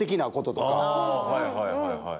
はいはいはいはい。